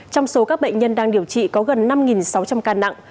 trong số các bệnh nhân đang điều trị có gần năm sáu trăm linh ca nặng